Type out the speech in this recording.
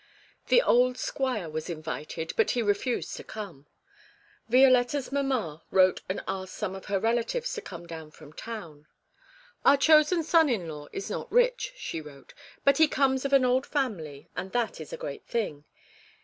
The old squire was invited, but he refused to come. Violetta's mamma wrote and asked some of her relatives to come down from town. 'Our chosen son in law is not rich,' she wrote, 'but he comes of an old family, and that is a great thing.